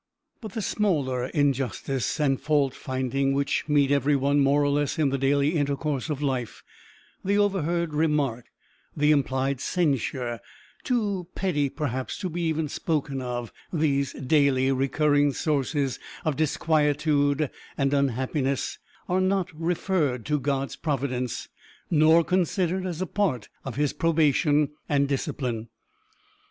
But the smaller injustice and fault finding which meet every one more or less in the daily intercourse of life, the overheard remark, the implied censure, too petty, perhaps, to be even spoken of, these daily recurring sources of disquietude and unhappiness are not referred to God's providence, nor considered as a part of his probation and discipline.